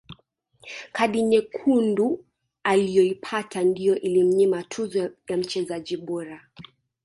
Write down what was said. kadi nyekundu aliyoipata ndiyo ilimnyima tuzo ya mchezaji bora